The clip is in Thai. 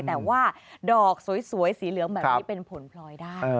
แต่ว่าดอกสวยสีเหลืองแบบนี้เป็นผลพลอยได้